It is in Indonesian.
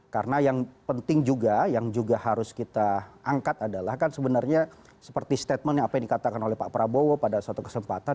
karena yang penting juga yang juga harus kita angkat adalah kan sebenarnya seperti statementnya apa yang dikatakan oleh pak prabowo pada suatu kesempatan